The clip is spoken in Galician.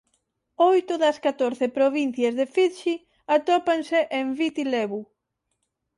Oito das catorce provincias de Fidxi atópanse en Viti Levu.